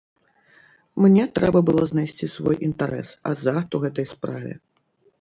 Мне трэба было знайсці свой інтарэс, азарт ў гэтай справе.